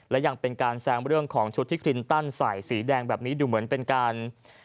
และยังเป็นการแซงเรื่องของชุดที่คลินตันใส่สีแดงแบบนี้ดูเหมือนเป็นการ